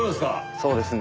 そうですね。